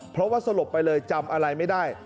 เพราะว่าสลบไปเลยจำอะไรไม่ได้